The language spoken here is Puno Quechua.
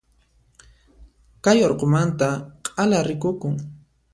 Kay urqumanta k'ala rikukun.